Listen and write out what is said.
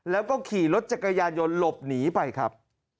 แล้วก็ขี่รถจักรยานยนต์หลบหนีไปครับ